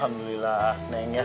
alhamdulillah neng ya